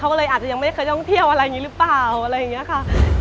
เขาก็เลยอาจจะยังไม่เคยต้องเที่ยวอะไรอย่างนี้หรือเปล่า